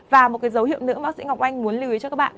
và một dấu hiệu nữa bác sĩ ngọc oanh muốn lưu ý cho các bạn